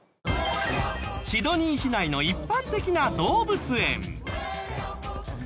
シドニー市内の一般的な動物園。